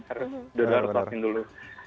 harus udah udah harus vaksin dulu